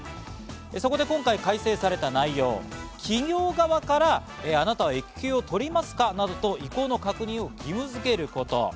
そこで今回改正された内容、企業側から、あなたは育休を取りますかなどと確認を義務づけること。